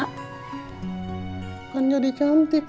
kan jadi cantik